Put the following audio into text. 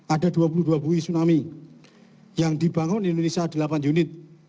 ada dua puluh dua bui tsunami yang dibangun di indonesia delapan unit